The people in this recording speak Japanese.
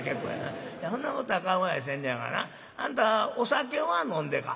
そんなことは構やせんのやがなあんたお酒は飲んでか？」。